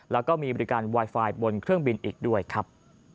แล้วก็มีบริการไวไฟบนเครื่องบินอีกด้วยครับ